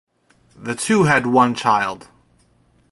The two had one child.